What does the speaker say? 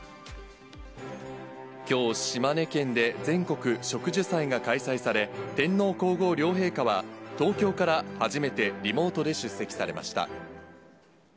きょう、島根県で全国植樹祭が開催され、天皇皇后両陛下は、東京から初めて、リモートで出席されました。